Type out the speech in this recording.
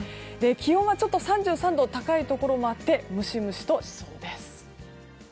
気温は３３度高いところもあってムシムシとしそうです。